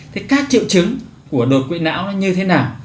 thế các triệu chứng của đột quỵ não nó như thế nào